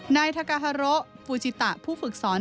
ในทักาฮาระฟูจิตะผู้ฝึกสอน